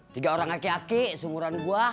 tiga orang ake ake sumuran gua